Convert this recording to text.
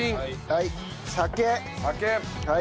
はい。